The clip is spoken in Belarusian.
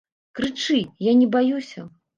Крычы, я не баюся.